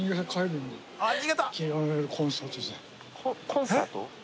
コンサート？